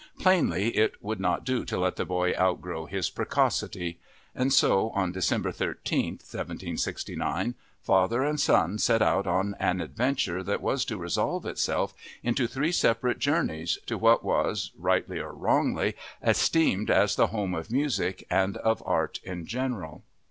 Plainly, it would not do to let the boy outgrow his precocity. And so on December 13, 1769, father and son set out on an adventure that was to resolve itself into three separate journeys to what was, rightly or wrongly, esteemed as the home of music and of art in general.